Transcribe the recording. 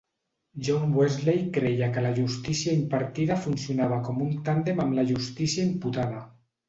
John Wesley creia que la justícia impartida funcionava com un tàndem amb la justícia imputada.